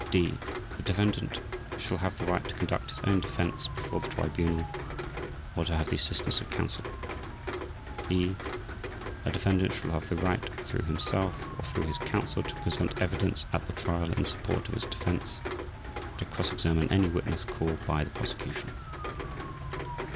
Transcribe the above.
(d) A defendant shall have the right to conduct his own defense before the Tribunal or to have the assistance of counsel. (e) A defendant shall have the right through himself or through his counsel to present evidence at the Trial in support of his defense, and to cross examine any witness called by the Prosecution.